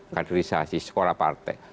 kaderisasi sekolah partai